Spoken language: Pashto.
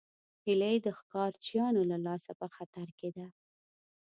هیلۍ د ښکارچیانو له لاسه په خطر کې ده